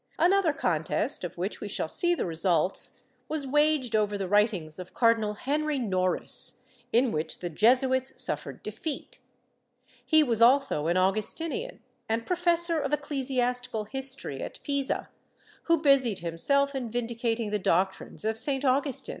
^ Another contest, of which we shall see the results, was waged over the writings of Cardinal Henry Noris, in which the Jesuits suffered defeat. He was also an Augustinian and professor of ecclesiastical history at Pisa, who busied himself in vindicating the doctrines of St. Augustin.